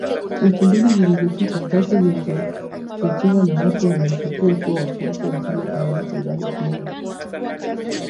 Wiki mbili zilizopita, ghasia zilizochochewa na watu wanaoshukiwa kuwa wafuasi wa chama tawala cha ZANU PF